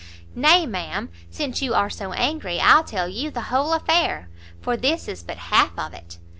"Nay, ma'am, since you are so angry, I'll tell you the whole affair, for this is but half of it.